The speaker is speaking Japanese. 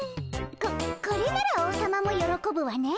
ここれなら王様もよろこぶわね。